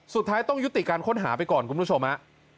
สุดท้ายต้องยุติการค้นหาไปก่อนคุณผู้ชมฮะ